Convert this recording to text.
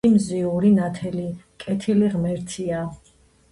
იგი მზიური, ნათელი, კეთილი ღმერთია.